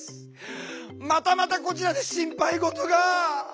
またまたこちらで心配事が。